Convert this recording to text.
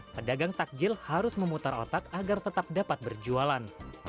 pedagang takjil harus memutar otak agar tetap dapat berjualan